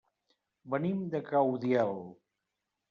Venim de Caudiel.